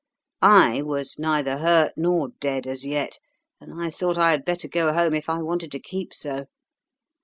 I was neither hurt nor dead as yet, and I thought I had better go home if I wanted to keep so.